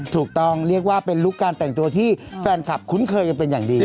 ถูกต้องเรียกว่าเป็นลุคการแต่งตัวที่แฟนคลับคุ้นเคยกันเป็นอย่างดี